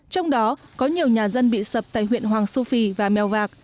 trong đó có nhiều nhà dân bị sập tại huyện hoàng su phi và mèo vạc